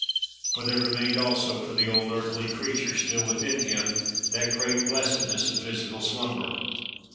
For there remained also, for the old earthy creature still within him, that great blessedness of physical slumber.